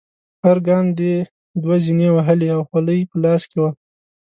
هر ګام دې دوه زینې وهلې او خولۍ په لاس کې وه.